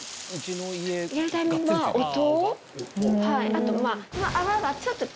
あと。